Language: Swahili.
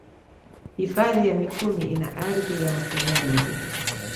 Hifadhi ya mikumi ina ardhi ya mfinyanzi